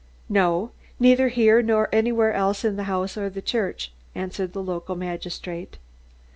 "No neither here nor anywhere else in the house or the church," answered the local magistrate.